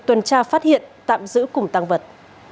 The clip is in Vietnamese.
tuần tra phát hiện tạm giữ cùng tang vật